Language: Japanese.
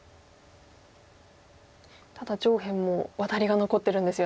ただ上辺もワタリが残ってるんですよね。